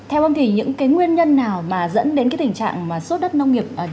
theo ông thì những cái nguyên nhân nào mà dẫn đến cái tình trạng mà sốt đất nông nghiệp